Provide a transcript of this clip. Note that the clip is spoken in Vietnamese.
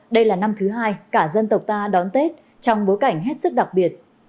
đây là năm thứ hai cả dân tộc ta đón tết trong bối cảnh hết sức đặc biệt